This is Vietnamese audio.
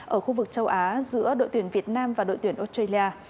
ở khu vực châu á giữa đội tuyển việt nam và đội tuyển australia